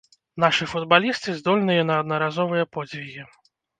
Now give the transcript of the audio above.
Нашы футбалісты здольныя на аднаразовыя подзвігі.